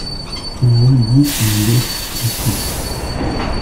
On eût dit un yacht de course.